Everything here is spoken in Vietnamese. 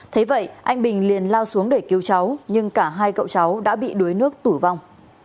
thế vậy anh bình liền lao xuống để cứu cháu nhưng cả hai cậu cháu đã bị đuối nước tử vong